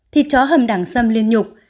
thịt chó hầm đẳng xâm liên nhục